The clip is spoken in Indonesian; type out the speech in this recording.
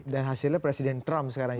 dan hasilnya presiden trump sekarang ya